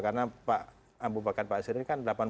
karena ambu bakar pak basir ini kan delapan puluh satu tahun